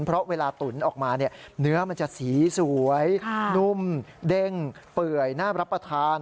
เพราะเวลาตุ๋นออกมาเนี่ยเนื้อมันจะสีสวยนุ่มเด้งเปื่อยน่ารับประทาน